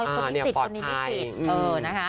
คนนี้ติดคนนี้ติด